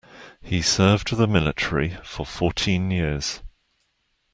He served in the military for fourteen years.